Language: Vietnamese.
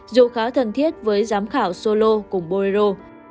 dù khá thân thiết với giám khảo solo cùng boero